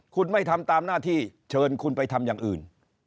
คุณไม่ทำตามหน้าที่เชิญคุณไปทำอย่างอื่น